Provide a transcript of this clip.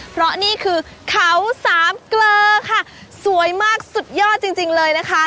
เพราะนี่คือเขาสามเกลอค่ะสวยมากสุดยอดจริงเลยนะคะ